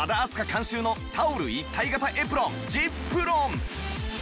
監修のタオル一体型エプロン ｚｉｐｒｏｎ